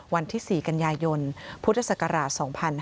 วันที่๔กันยายนพุทธศักราช๒๕๕๙